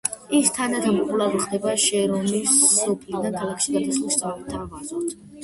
ის თანდათან პოპულარული ხდება და შერონს სოფლიდან ქალაქში გადასვლას სთავაზობს.